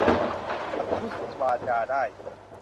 ประทุษวาจาได้